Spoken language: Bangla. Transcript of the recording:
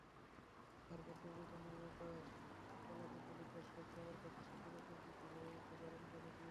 তারপর চলচ্চিত্র নির্মাতা, কলাকুশলী, দর্শক—সবার কাছে শাকিব-অপুর জুটি হয়ে ওঠে দারুণ জনপ্রিয়।